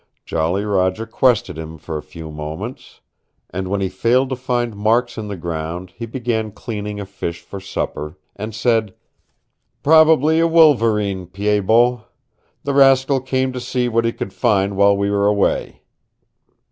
Jolly Roger quested with him for a few moments, and when he failed to find marks in the ground he began cleaning a fish for supper, and said. "Probably a wolverine, Pied Bot. The rascal came to see what he could find while we were away."